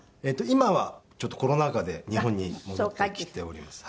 今はちょっとコロナ禍で日本に戻ってきております。